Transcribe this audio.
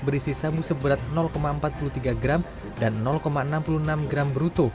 berisi sabu seberat empat puluh tiga gram dan enam puluh enam gram bruto